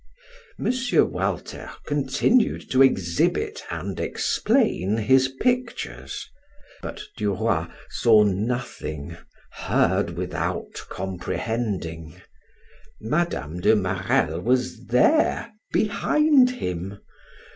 M. Walter continued to exhibit and explain his pictures; but Duroy saw nothing heard without comprehending. Mme. de Marelle was there, behind him.